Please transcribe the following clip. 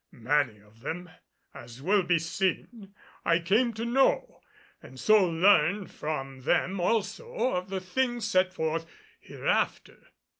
Many of them, as will be seen, I came to know and so learned from them also of the things set forth hereafter.